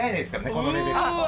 このレベルは。